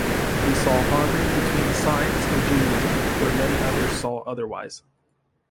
He saw harmony between science and Judaism, where many others saw otherwise.